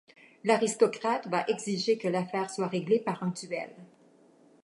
L'aristocrate va exiger que l'affaire soit réglée par un duel.